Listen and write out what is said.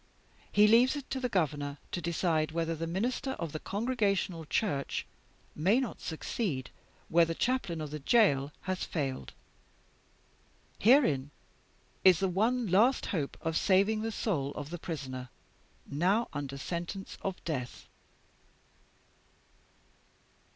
He leaves it to the Governor to decide whether the Minister of the Congregational Church may not succeed, where the Chaplain of the Jail has failed. Herein is the one last hope of saving the soul of the Prisoner, now under sentence of death!"